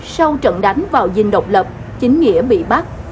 sau trận đánh vào dinh độc lập chính nghĩa bị bắt